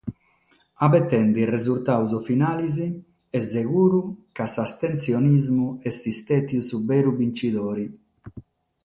Abetende is resurtados finales, est seguru ca s’astensionismu est istadu su beru binchidore.